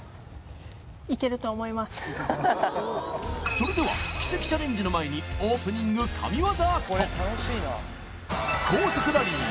それでは奇跡チャレンジの前にオープニング神業